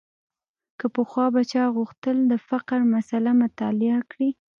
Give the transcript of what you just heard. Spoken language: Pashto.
که پخوا به چا غوښتل د فقر مسأله مطالعه کړي.